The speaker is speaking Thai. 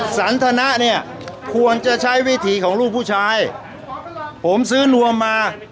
สันทนะเนี่ยควรจะใช้วิถีของลูกผู้ชายผมซื้อนวมมา